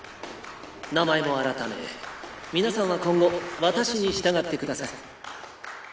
名前も改め皆さんは今後私に従ってください。